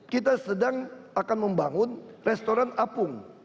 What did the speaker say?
kita sedang akan membangun restoran apung